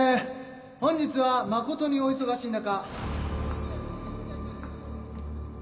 本日は誠にお忙しい中。